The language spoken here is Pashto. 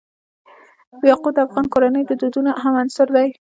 یاقوت د افغان کورنیو د دودونو مهم عنصر دی.